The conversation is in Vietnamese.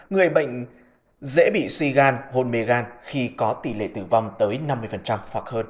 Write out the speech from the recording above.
người bệnh dễ bị suy gan hôn mê gan khi có tỷ lệ tử vong tới năm mươi hoặc hơn